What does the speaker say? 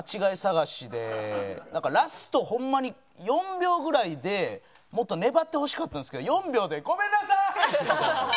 なんかラストホンマに４秒ぐらいでもっと粘ってほしかったんですけど４秒で「ごめんなさい！」って言ってたんで。